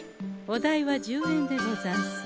お代は１０円でござんす。